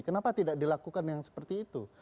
kenapa tidak dilakukan yang seperti itu